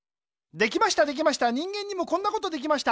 できましたできました人間にもこんなことできました。